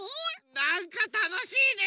なんかたのしいね！